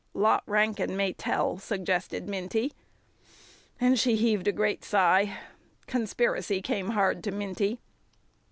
"Lot Rankin may tell," suggested Minty. And she heaved a great sigh. Conspiracy came hard to Minty.